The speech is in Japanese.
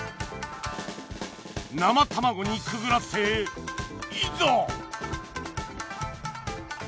生卵にくぐらせいざ！